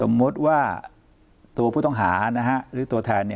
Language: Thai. มติว่าตัวผู้ต้องหาหรือตัวแทน